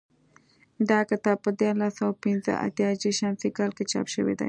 دا کتاب په دیارلس سوه پنځه اتیا هجري شمسي کال کې چاپ شوی دی